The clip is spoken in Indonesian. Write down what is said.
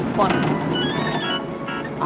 lo tuh yang ngecewakan